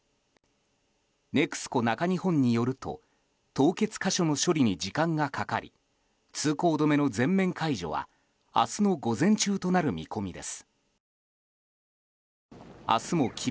ＮＥＸＣＯ中日本によると凍結箇所の処理に時間がかかり通行止めの全面解除は明日の午前中となる見込みです。